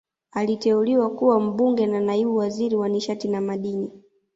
Aliteuliwa kuwa Mbunge na Naibu Waziri wa Nishati na Madini